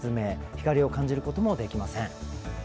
光を感じることもできません。